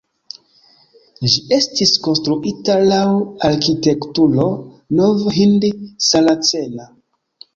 Ĝi estis konstruita laŭ arkitekturo nov-hind-saracena.